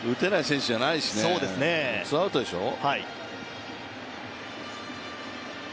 打てない選手じゃないしね、ツーアウトでしょう。